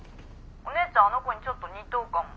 お姉ちゃんあの子にちょっと似とうかも。